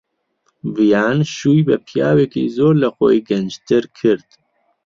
ڤیان شووی بە پیاوێکی زۆر لە خۆی گەنجتر کرد.